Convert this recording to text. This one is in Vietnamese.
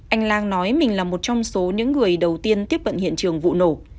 anh lang nói mình là một trong số những người đầu tiên tiếp cận hiện trường vụ nổ